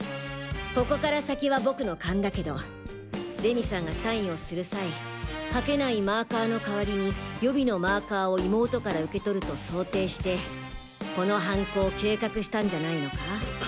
ここから先は僕の勘だけど礼美さんがサインをする際書けないマーカーの代わりに予備のマーカーを妹から受け取ると想定してこの犯行を計画したんじゃないのか？